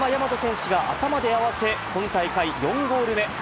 丸山大和選手が頭で合わせ、今大会４ゴール目。